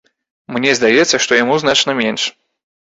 Мне здаецца, што яму значна менш.